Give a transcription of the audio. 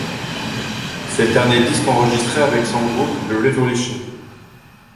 C'est le dernier disque enregistré avec son groupe The Revolution.